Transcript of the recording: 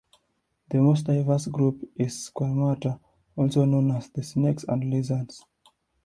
The most diverse group is Squamata, also known as the snakes and lizards.